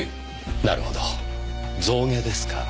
なるほど象牙ですか。